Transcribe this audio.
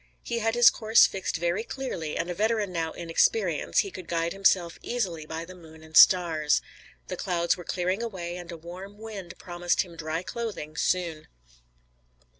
He had his course fixed very clearly, and a veteran now in experience, he could guide himself easily by the moon and stars. The clouds were clearing away and a warm wind promised him dry clothing, soon.